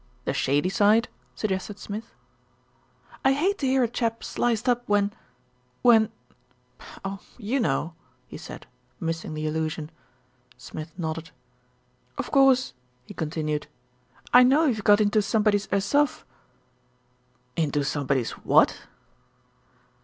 "The shady side?" suggested Smith. 122 THE RETURN OF ALFRED "I hate to hear a chap sliced up when, when oh! you know," he said, missing the allusion. Smith nodded. "Of course," he continued, "I know you've got into somebody's oesoph " "Into somebody's what?"